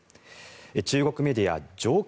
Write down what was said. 中国メディア上観